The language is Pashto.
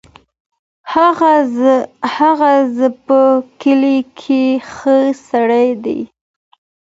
هغه ز په کلي کې ښه سړی دی.